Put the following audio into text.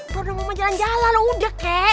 gorno mama jalan jalan loh udah kek